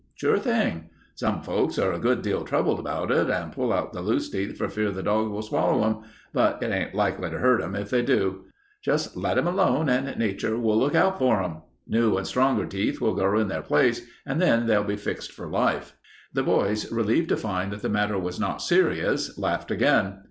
Sure thing. Some folks are a good deal troubled about it and pull out the loose teeth for fear the dogs will swallow them, but it ain't likely to hurt 'em if they do. Just let 'em alone and nature will look out for 'em. New and stronger teeth will grow in their places and then they'll be fixed for life." The boys, relieved to find that the matter was not serious, laughed again.